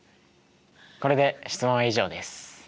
これで質問は以上です。